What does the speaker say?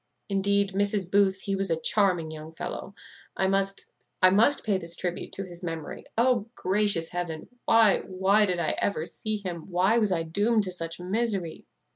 Indeed, Mrs. Booth, he was a charming young fellow; I must I must pay this tribute to his memory. O, gracious Heaven! why, why did I ever see him? why was I doomed to such misery?"